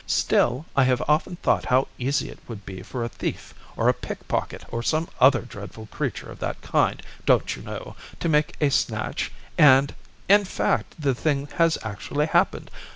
Still, I have often thought how easy it would be for a thief or a pickpocket or some other dreadful creature of that kind, don't you know, to make a snatch and in fact, the thing has actually happened.